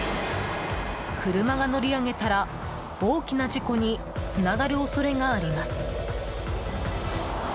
車が乗り上げたら、大きな事故につながる恐れがあります。